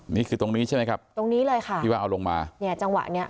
นี่คือตรงนี้ใช่ไหมครับตรงนี้เลยค่ะที่ว่าเอาลงมาเนี่ยจังหวะเนี้ย